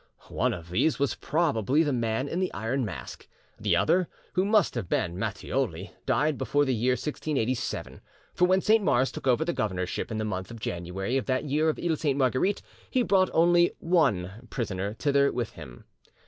One of these was probably the Man in the Iron Mask; the other, who must have been Matthioli, died before the year 1687, for when Saint Mars took over the governorship in the month of January of that year of the Iles Sainte Marguerite he brought only ONE prisoner thither with him.